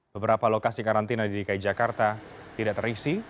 beberapa lokasi karantina di dki jakarta tidak terisi